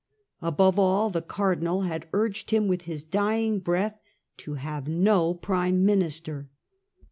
Above all, the Cardinal had urged him, with his dying breath, to have no prime minister.